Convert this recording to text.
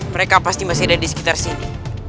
mereka pasti masih ada di sekitar sini